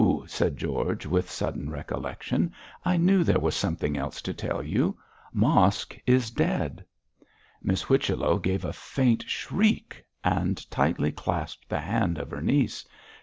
said George, with sudden recollection, 'I knew there was something else to tell you. Mosk is dead.' Miss Whichello gave a faint shriek, and tightly clasped the hand of her niece.